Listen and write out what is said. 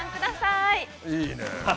いいね